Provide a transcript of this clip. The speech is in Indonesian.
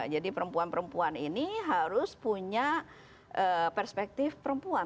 jadi perempuan perempuan ini harus punya perspektif perempuan